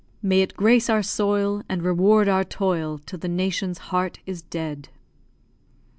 May it grace our soil, And reward our toil, Till the nation's heart is dead.